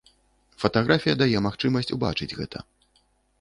Фатаграфія дае магчымасць убачыць гэта.